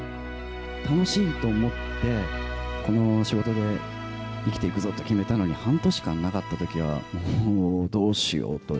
楽しいと思って、この仕事で生きていくぞ！と決めたのに、半年間なかったときは、もうどうしようと。